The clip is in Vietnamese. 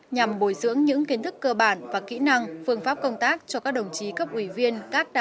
nhằm bồi dưỡng những kiến thức cơ bản và kỹ năng phương pháp công tác cho các đồng chí cấp ủy viên